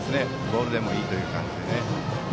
ボールでもいいという感じで。